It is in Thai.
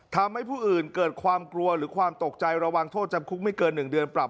ทำให้ผู้อื่นเกิดความกลัวหรือความตกใจระวังโทษจำคุกไม่เกิน๑เดือนปรับ